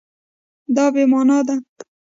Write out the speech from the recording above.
دا بې مانا ده